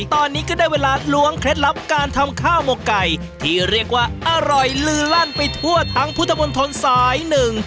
ตอนนี้ก็ได้เวลาล้วงเคล็ดลับการทำข้าวหมวกไก่